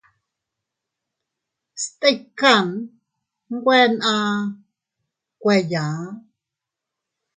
Stikan nwe naa kueyaʼa.